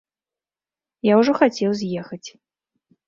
Я ўжо хацеў з'ехаць.